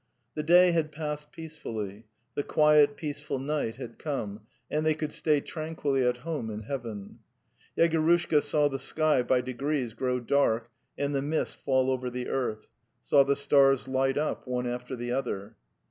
The day had passed peacefully; the quiet peaceful night had come, and they could stay tranquilly at home in heaven. ... Yegorushka saw the sky by degrees grow dark and the mist fall over the earth — saw the stars light up, one atter the other.